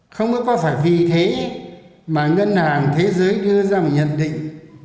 không có phải vì thế mà ngân hàng thế giới đưa ra một nhận định